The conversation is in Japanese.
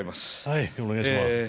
はいお願いします。